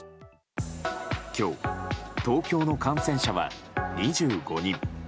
今日、東京の感染者は２５人。